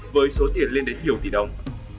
với số tiền lên đến nhiều tỷ đồng